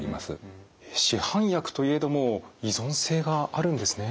市販薬といえども依存性があるんですね。